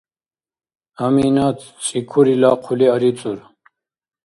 Аминат цӀикурила хъули арицӀур.